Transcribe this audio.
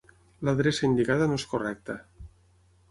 L'adreça indicada no és correcta.